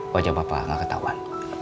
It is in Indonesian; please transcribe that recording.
wajah papa gak ketahuan